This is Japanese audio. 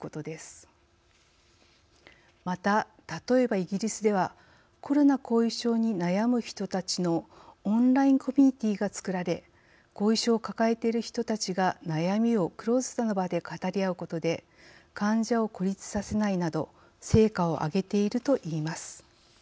また例えばイギリスではコロナ後遺症に悩む人たちのオンラインコミュニティーが作られ後遺症を抱えてる人たちが悩みをクローズドな場で語り合うことで患者を孤立させないなど成果を挙げているといいます。